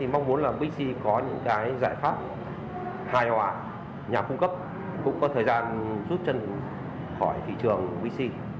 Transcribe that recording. mong muốn là bixi có những giải pháp hài hòa nhà cung cấp cũng có thời gian rút chân khỏi thị trường wc